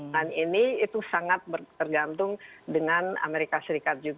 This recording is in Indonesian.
dan ini itu sangat bergantung dengan amerika serikat